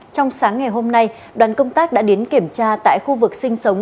trong sáng ngày hôm nay đoàn công tác đã đến kiểm tra tại khu vực sinh sống